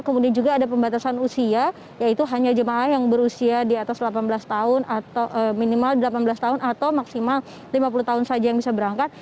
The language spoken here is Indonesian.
kemudian juga ada pembatasan usia yaitu hanya jemaah yang berusia di atas delapan belas tahun atau minimal delapan belas tahun atau maksimal lima puluh tahun saja yang bisa berangkat